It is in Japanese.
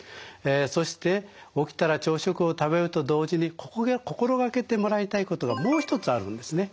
そして起きたら朝食を食べると同時に心掛けてもらいたいことがもう一つあるんですね。